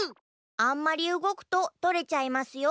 あんまりうごくととれちゃいますよ。